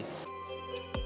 salah satu pemeran film maria